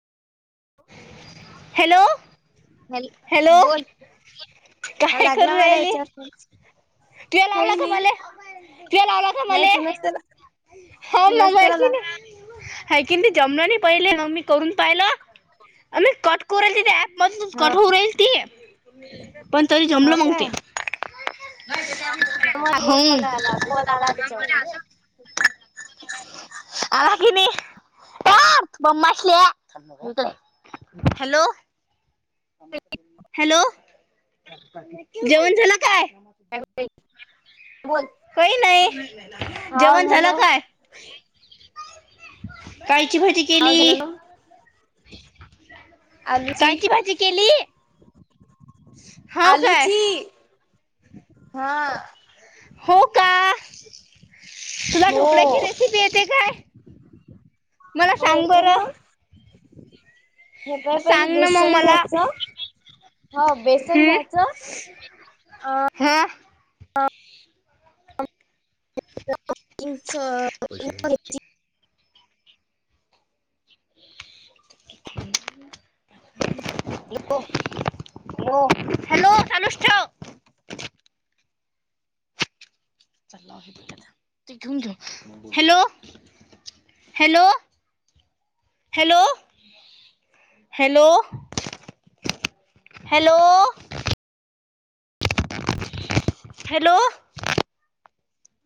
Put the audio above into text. Hello hello hello बोल हा कायं लागला करूं मला राहिली याच्यावर फोन तुं लावलां काही कायं नाही. मले तुं लावलां कायं नाही मले तूनच तर होम तूनच मामा आहे तर की आला नाहीं हां कि नाहीं जेवणांच्या पहिले मंग मी करूं पाहिलं आं मी कंट करूं राहीले ते पनं ह कडूं होईल ती पणं जमलं हो म्हणते ते नाहीं ऑडिओ कॉल आंला फोन आंला तीच्यांवर आंला कि नाहीं कां गोमाश्यां तुंचं आहे हॅलो हॅलो जेवणं झालायं कायं हॅलो ताई बोलं होयं कांहीं नाहीं जेवणं झालं हॅलो कायं कायंची भाजी केली हांव झालं नां [unintelligible] [unintelligible] आलूची कायंची भाजी केली हांव कायं हां हो कां तुंला हो ढोकळ्याची रेसिपी येते कायं मलां हो सांग येते बरं ना हे कायं पहिले सांग ना मग बेसन मला घ्यायचं हो बेसन हम्म घ्यायचं अं हा त्यांत बेकिंगचं पसे [unintelligible] हॅलो हॅलो अनुष्यट घेऊंन घ hello hello hello hello hello hello